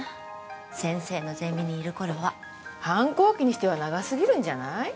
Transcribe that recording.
先生のゼミにいる頃は反抗期にしては長すぎるんじゃない？